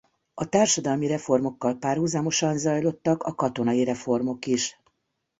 A társadalmi reformokkal párhuzamosan zajlottak a katonai reformok is.